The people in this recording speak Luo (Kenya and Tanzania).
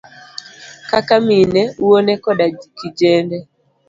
kaka mine, wuone koda kijende.